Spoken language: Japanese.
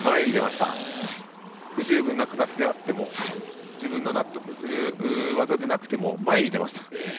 不十分な形であっても自分の納得する技でなくても前に出ました。